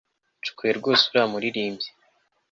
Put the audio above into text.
ncukuye rwose uriya muririmbyi